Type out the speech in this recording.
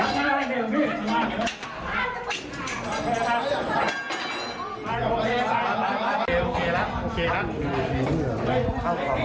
พระเจ้าบอกถ้าคุณแม่ให้กำลังทุกคน